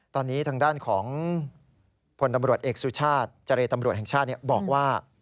ตอนนี้ทางด้านของพลตำรวจเอกสุชาติเจรตำรวจแห่งชาติบอกว่า